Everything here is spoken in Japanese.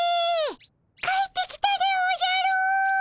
帰ってきたでおじゃる！